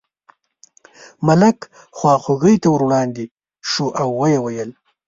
ملک خواخوږۍ ته ور وړاندې شو او یې وویل.